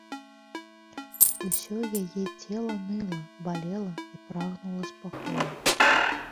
Усё яе цела ныла, балела і прагнула спакою.